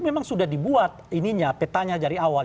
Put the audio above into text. memang sudah dibuat ininya petanya dari awal